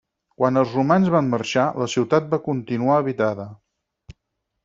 Quan els romans van marxar, la ciutat va continuar habitada.